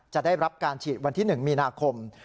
ได้รับการฉีดวันที่๑มีนาคม